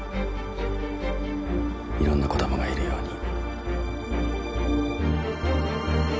いろんな子供がいるように。